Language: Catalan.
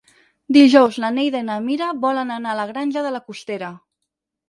Dijous na Neida i na Mira volen anar a la Granja de la Costera.